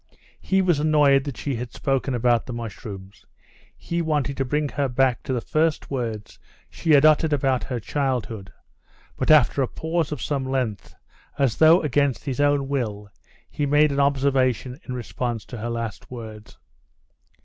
He was annoyed that she had spoken about the mushrooms. He wanted to bring her back to the first words she had uttered about her childhood; but after a pause of some length, as though against his own will, he made an observation in response to her last words.